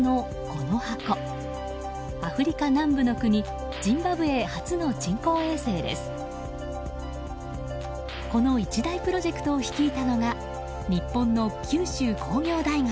この一大プロジェクトを率いたのが日本の九州工業大学。